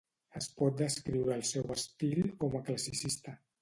Es pot descriure el seu estil com a classicista.